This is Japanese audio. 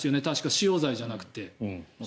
使用罪じゃなくて。